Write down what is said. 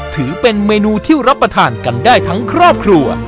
ถือเป็นเมนูที่รับประทานกันได้ทั้งครอบครัว